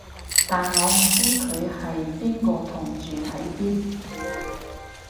但我唔知佢係邊個同住喺邊